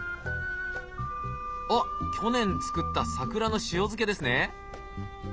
あっ去年作った桜の塩漬けですね。